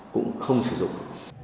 cũng không sử dụng